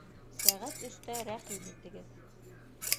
Сәғәт өстә рәхим итегеҙ